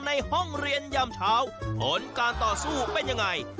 ในห้องเรียนย่ำเก่าปนการต่อสู้เป็นอย่างไร